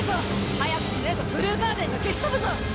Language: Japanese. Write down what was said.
早くしねぇとブルーガーデンが消し飛ぶぞ！